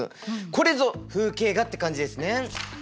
これぞ風景画って感じですね！